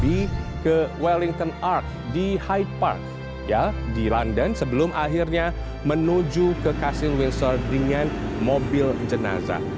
peli ke wellington ark di hyde park di london sebelum akhirnya menuju ke castle windsor dengan mobil jenazah